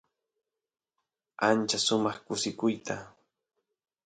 ancha sumaq kusikuyta